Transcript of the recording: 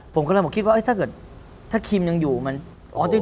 ผมก็เลยคิดว่าถ้าเกิดถ้าคิมยังอยู่มัน